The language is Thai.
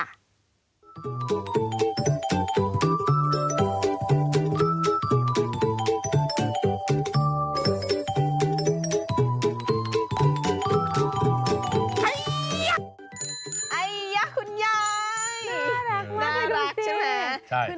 ไอ้ย่าคุณยายน่ารักมากมาดูจริง